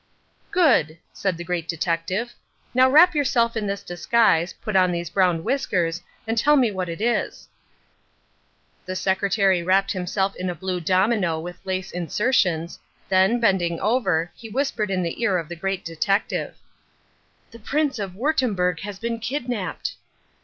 "Good," said the Great Detective, "now wrap yourself in this disguise, put on these brown whiskers and tell me what it is." The secretary wrapped himself in a blue domino with lace insertions, then, bending over, he whispered in the ear of the Great Detective: "The Prince of Wurttemberg has been kidnapped."